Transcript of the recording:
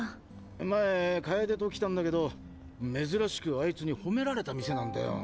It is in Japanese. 前楓と来たんだけど珍しくアイツに褒められた店なんだよ。